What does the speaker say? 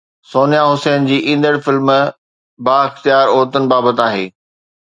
سونيا حسين جي ايندڙ فلم بااختيار عورتن بابت آهي